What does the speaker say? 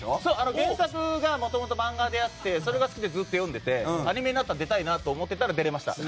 原作がもともと漫画であってそれが好きでずっと読んでいてアニメになったら出たいなと思っていたら出れました。